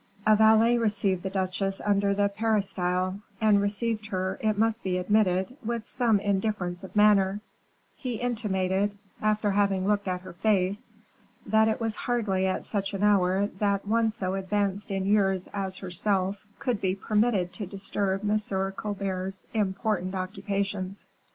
A valet received the duchesse under the peristyle, and received her, it must be admitted, with some indifference of manner; he intimated, after having looked at her face, that it was hardly at such an hour that one so advanced in years as herself could be permitted to disturb Monsieur Colbert's important occupations.